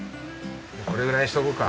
これぐらいにしとこうか。